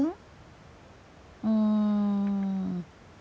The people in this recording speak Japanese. うん。